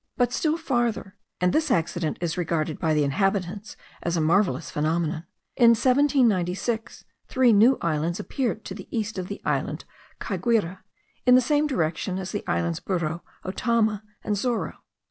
But still farther (and this accident is regarded by the inhabitants as a marvellous phenomenon) in 1796 three new islands appeared to the east of the island Caiguira, in the same direction as the islands Burro, Otama, and Zorro.